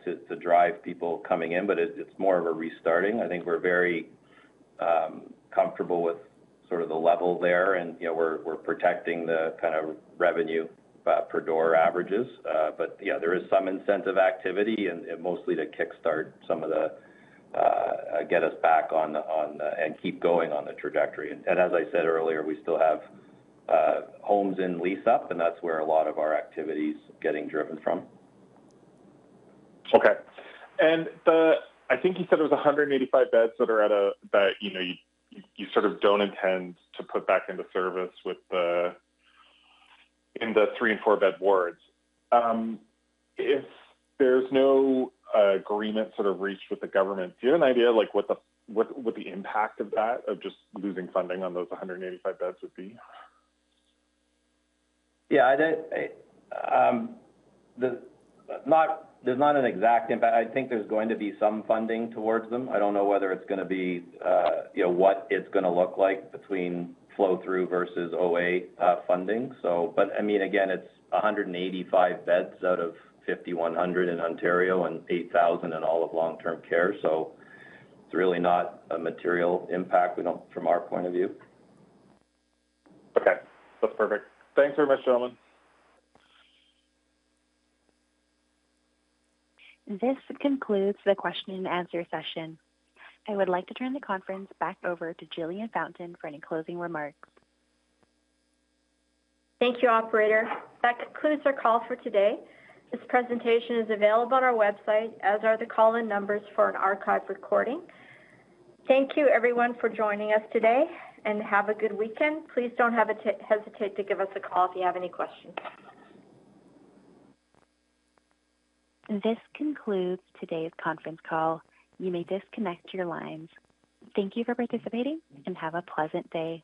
to drive people coming in, but it's more of a restarting. I think we're very comfortable with sort of the level there and, you know, we're protecting the kind of revenue per door averages. But yeah, there is some incentive activity and mostly to kickstart some of the get us back on the and keep going on the trajectory. As I said earlier, we still have homes in lease-up, and that's where a lot of our activity's getting driven from. I think you said there was 185 beds that are at that, you know, you sort of don't intend to put back into service with the, in the three and four bed wards. If there's no agreement sort of reached with the government, do you have an idea, like, what the impact of that, of just losing funding on those 185 beds would be? Yeah, I don't. There's not an exact impact. I think there's going to be some funding towards them. I don't know whether it's gonna be, you know, what it's gonna look like between flow through versus OA funding. But I mean, again, it's 185 beds out of 5,100 in Ontario and 8,000 in all of long-term care. It's really not a material impact from our point of view. Okay. That's perfect. Thanks very much, gentlemen. This concludes the question and answer session. I would like to turn the conference back over to Jillian Fountain for any closing remarks. Thank you, operator. That concludes our call for today. This presentation is available on our website, as are the call-in numbers for an archive recording. Thank you everyone for joining us today, and have a good weekend. Please don't hesitate to give us a call if you have any questions. This concludes today's conference call. You may disconnect your lines. Thank you for participating and have a pleasant day.